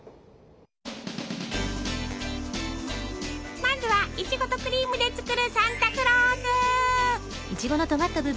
まずはいちごとクリームで作るサンタクロース！